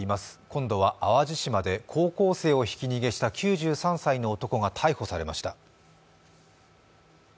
今度は淡路島で高校生をひき逃げした９３歳の男が逮捕されました。